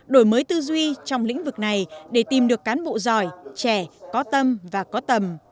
đổi mới tư duy trong lĩnh vực này để tìm được cán bộ giỏi trẻ có tâm và có tầm